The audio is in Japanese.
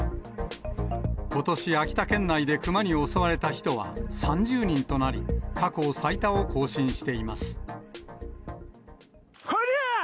ことし、秋田県内でクマに襲われた人は３０人となり、過去最多を更新しています。